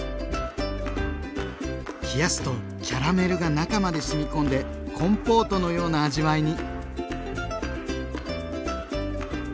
冷やすとキャラメルが中までしみ込んでコンポートのような味わいに。